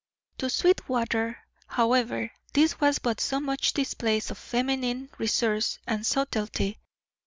To Sweetwater, however, this was but so much display of feminine resource and subtlety.